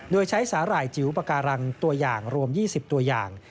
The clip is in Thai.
โดยใช้สาหร่ายจิ๋วปาการังตัวอย่างรวม๒๐ตัวอย่าง